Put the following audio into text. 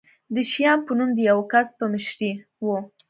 د شیام په نوم د یوه کس په مشرۍ و.